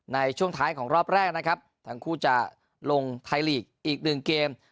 ในช่วงท้ายของรอบแรกนะครับทั้งคู่จะลงไทยลีกอีกหนึ่งเกม